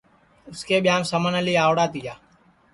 اُس کے ٻیاںٚم سمن اعلی آوڑا تیا